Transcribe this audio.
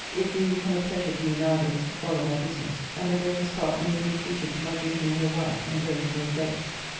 It being become a pleasure to me now a days to follow my business, and the greatest part may be imputed to my drinking no wine, and going to no plays.